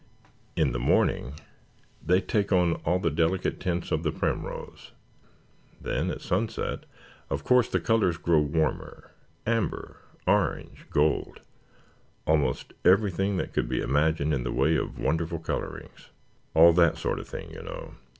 In the morning they take on all the delicate tints of the primrose. Then at sunset of course the colors grow warmer amber, orange, gold almost everything that could be imagined in the way of wonderful colorings. All that sort of thing, you know.